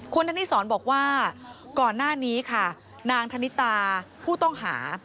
คุณธนิสรบอกว่าก่อนหน้านี้ค่ะนางธนิตาผู้ต้องหา